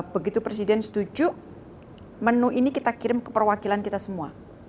begitu presiden setuju menu ini kita kirim ke perwakilan kita semua